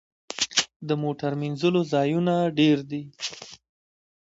د موټر مینځلو ځایونه ډیر دي؟